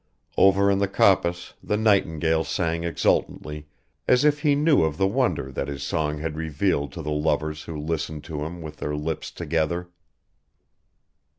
Over in the coppice the nightingale sang exultantly as if he knew of the wonder that his song had revealed to the lovers who listened to him with their lips together.